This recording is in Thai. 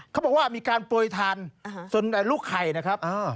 เขาบอกว่ามีการโปรยทานส่วนลูกไข่นะครับ